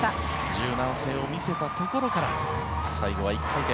柔軟性を見せたところから最後は１回転。